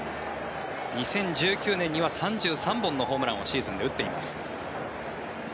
２０１９年には３３本のホームランをシーズンで打っています。